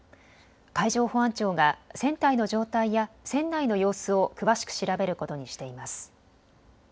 海上保安庁が船体の状態や船内の様子を詳しく調べることにしています。